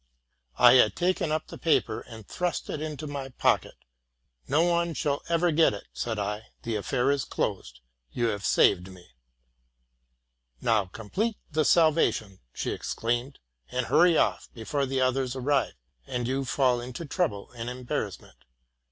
'' Thad taken up the paper, and thrust it into my pocket. '* No one shall ever get it,'' said I: '* the affair is closed. You have saved me.'' —'' Now complete the salvation,'' she exclaimed, '' and hurry off, before the others arrive, and you fall into trouble and embarrassment!"